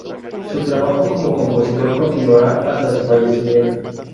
Su trabajo como compositor, continuará hasta su fallecimiento.